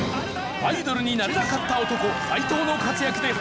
アイドルになれなかった男斎藤の活躍で再び逆転！